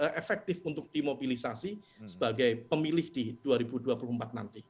dan efektif untuk dimobilisasi sebagai pemilih di dua ribu dua puluh empat nanti